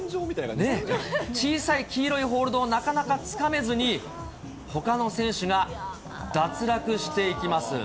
小さい黄色いホールドをなかなかつかめずに、ほかの選手が脱落していきます。